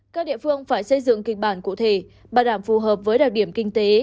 các địa phương phải xây dựng kinh bản cụ thể bàn đảm phù hợp với đặc điểm kinh tế